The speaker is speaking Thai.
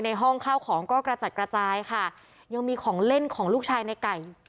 ห้องข้าวของก็กระจัดกระจายค่ะยังมีของเล่นของลูกชายในไก่